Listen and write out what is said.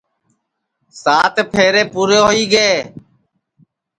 سات پھیرے پُورے ہوئی گے